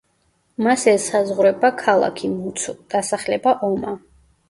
მას ესაზღვრება ქალაქი მუცუ, დასახლება ომა.